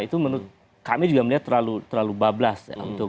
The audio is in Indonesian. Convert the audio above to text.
itu menurut kami juga melihat terlalu bablas